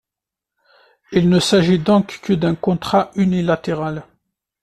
Il ne s'agit donc que d'un contrat unilatéral.